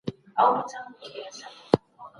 کومي لاري چاري د غم په کمولو کي مرسته کوي؟